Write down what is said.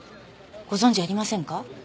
ご存じありませんか？